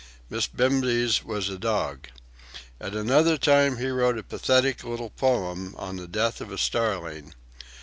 "Miss Bimbes" was a dog. At another time he wrote a pathetic little poem on the death of a starling.